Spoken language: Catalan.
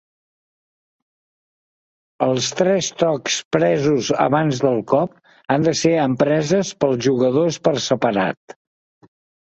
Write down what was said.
Els tres tocs presos abans del cop han de ser empreses pels jugadors per separat.